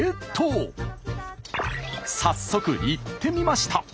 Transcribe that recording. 早速行ってみました。